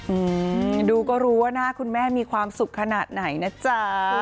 อืมดูก็รู้ว่าหน้าคุณแม่มีความสุขขนาดไหนนะจ๊ะ